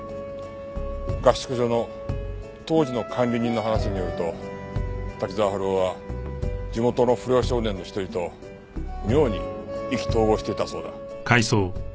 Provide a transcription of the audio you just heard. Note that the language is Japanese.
合宿所の当時の管理人の話によると滝沢春夫は地元の不良少年の一人と妙に意気投合していたそうだ。